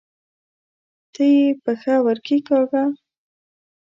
ته یې پښه ورکښېکاږه!